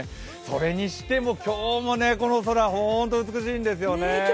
それにしても今日もこの空、ほんと美しいんですよね。